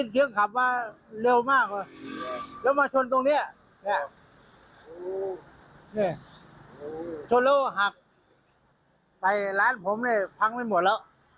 ช่วงเร็วหักไปร้านผมเนี่ยพังไม่หมดแล้ว